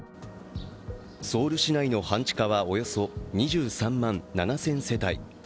ソウル市内の半地下はおよそ２３万７０００世帯。